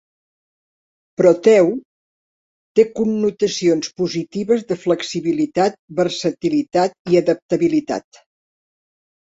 "Proteu" té connotacions positives de flexibilitat, versatilitat i adaptabilitat.